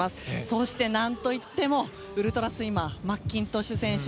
そして、なんと言ってもウルトラスイマーマッキントッシュ選手。